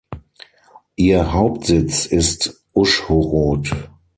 Ihr Hauptsitz ist Uschhorod.